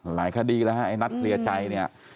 หลายคดีแล้วฮะไอ้นัดเคลียร์ใจเนี่ย